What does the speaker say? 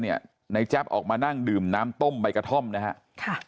ในแจ๊บออกมานั่งดื่มน้ำต้มใบกระท่อมนะฮะ